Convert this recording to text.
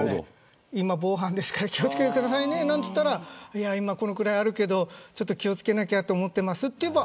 防犯、気を付けてくださいねなんて言ったら今、このくらいあるけど気を付けなきゃと思ってます